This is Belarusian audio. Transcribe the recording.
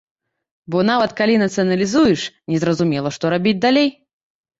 Бо нават калі нацыяналізуеш, незразумела, што рабіць далей.